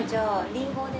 りんごで。